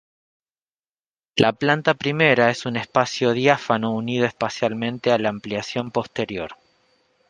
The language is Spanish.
La planta primera es un espacio diáfano unido espacialmente a la ampliación posterior.